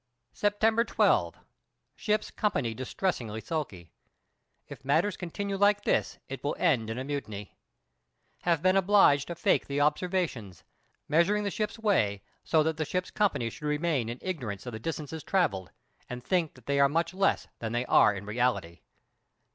September 12. Ship's company distressingly sulky. If matters continue like this it will end in a mutiny. Have been obliged to fake the observations, measuring the ship's way so that the ship's company should remain in ignorance of the distances traversed, and think that they are much less than they are in reality.